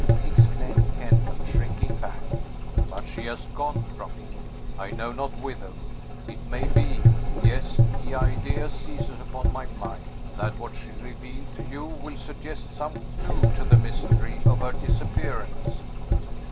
exclaimed Kenyon, shrinking back. "But she has gone from me, I know not whither. It may be yes, the idea seizes upon my mind that what she revealed to you will suggest some clew to the mystery of her disappearance.